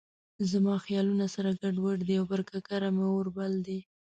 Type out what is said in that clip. زما خیالونه سره ګډ وډ دي او پر ککره مې اور بل دی.